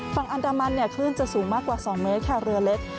ฝั่งอันดามันเนี่ยคลื่นจะสูงมากกว่า๒เมตรค่ะเรือเล็ก